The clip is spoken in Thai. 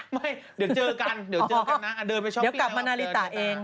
ไม่เดี๋ยวเจอกันนะเดินไปช้อปินเดี๋ยวกลับมานาลิตะเอง